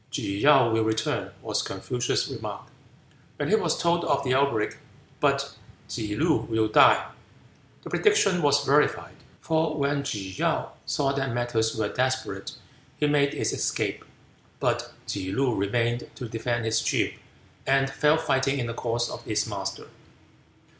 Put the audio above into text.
"Tsze kaou will return," was Confucius' remark, when he was told of the outbreak, "but Tsze loo will die." The prediction was verified. For when Tsze kaou saw that matters were desperate he made his escape; but Tsze loo remained to defend his chief, and fell fighting in the cause of his master.